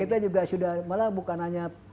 kita juga sudah malah bukan hanya